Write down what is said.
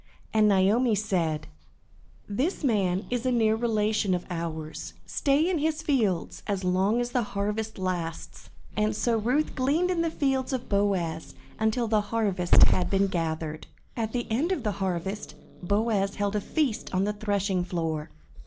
And Naomi said: "This man is a near relation of ours. Stay in his fields, as long as the harvest lasts." And so Ruth gleaned in the fields of Boaz until the harvest had been gathered. At the end of the harvest, Boaz held a feast on the threshing floor.